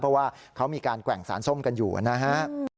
เพราะว่าเขามีการแกว่งสารส้มกันอยู่นะฮะ